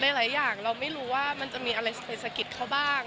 หลายอย่างเราไม่รู้ว่ามันจะมีอะไรไปสะกิดเขาบ้าง